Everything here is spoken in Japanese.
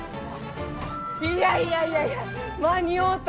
いやいやいやいや間に合うた！